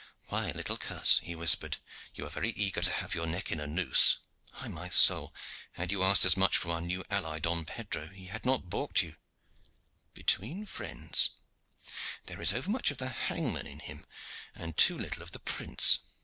"Why, little coz," he whispered, "you are very eager to have your neck in a noose. By my soul! had you asked as much from our new ally Don Pedro, he had not baulked you. Between friends, there is overmuch of the hangman in him, and too little of the prince.